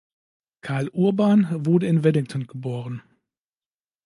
Karl Urban wurde in Wellington geboren.